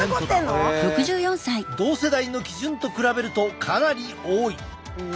同世代の基準と比べるとかなり多い。